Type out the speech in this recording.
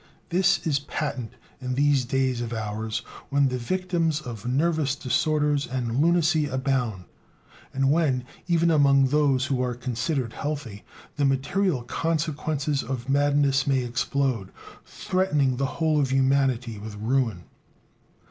This is patent in these days of ours, when the victims of nervous disorders and lunacy abound, and when, even among those who are considered healthy, the material consequences of madness may explode, threatening the whole of humanity with ruin.